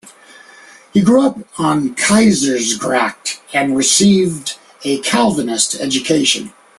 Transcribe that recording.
He grew up on Keizersgracht, and received a Calvinist education.